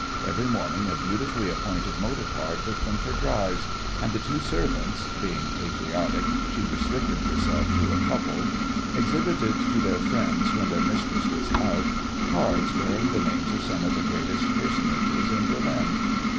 Every morning a beautifully appointed motor car took them for drives, and the two servants being patriotic, she restricted herself to a couple exhibited to their friends, when their mistress was out, cards bearing the names of some of the greatest personages in Berlin.